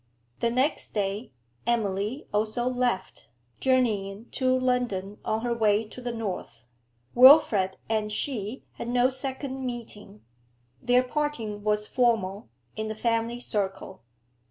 The next day, Emily also left, journeying to London on her way to the north, Wilfrid and she had no second meeting; their parting was formal, in the family circle.